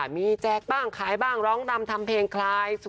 มีแจกบ้างขายบ้างร้องรำทำเพลงคลาย